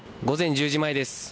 午前１０時前です。